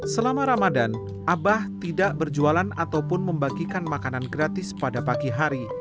selama ramadan abah tidak berjualan ataupun membagikan makanan gratis pada pagi hari